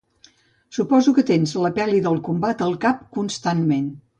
Suposo que tens la peli del combat al cap constantment.